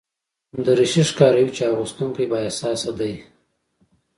دریشي ښکاروي چې اغوستونکی بااحساسه دی.